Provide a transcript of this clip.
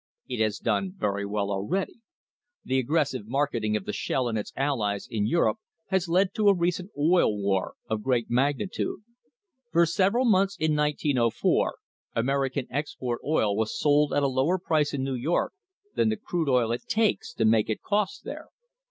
It has done very well already. The aggressive market ing of the "Shell" and its allies in Europe has led to a recent Oil War of great magnitude. For several months in 1904 American export oil was sold at a lower price in New York than the crude oil it takes to make it costs there.